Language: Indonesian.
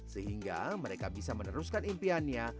sehingga mereka bisa meneruskan impiannya